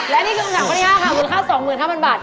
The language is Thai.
และนี่คือคุณถามคุณยากค่ะมูลค่า๒๕๐๐๐บาท